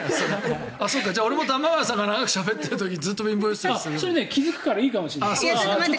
俺も玉川さんが長くしゃべっている時それ気付くからいいかもしれない。